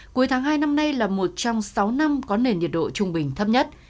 cuối tháng hai năm nay là một trong sáu năm có nền nhiệt độ trung bình thấp nhất